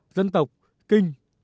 dân tộc kinh